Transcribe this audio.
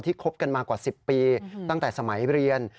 คบกันมากว่า๑๐ปีตั้งแต่สมัยเรียน